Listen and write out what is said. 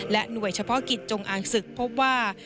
หน่วยเฉพาะกิจจงอ่างศึกพบว่า